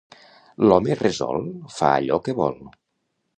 L'home resolt fa allò que vol.